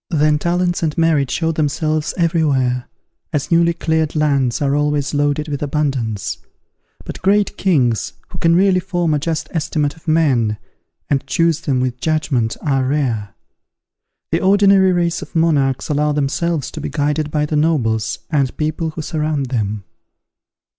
Then talents and merit showed themselves every where, as newly cleared lands are always loaded with abundance. But great kings, who can really form a just estimate of men, and choose them with judgment, are rare. The ordinary race of monarchs allow themselves to be guided by the nobles and people who surround them.